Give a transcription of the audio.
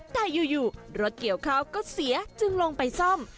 แต่อยู่รถเกี่ยวข้าวก็เสียจึงลงไปซ่อม